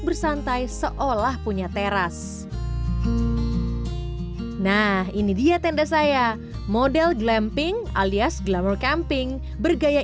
bersantai seolah punya teras nah ini dia tenda saya model glamping alias glamour camping bergaya